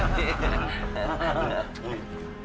อุ้ยอันนี้แค่เอานะ